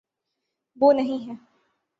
وہ نہیں ہے۔